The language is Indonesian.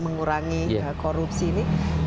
mengurangi korupsi ini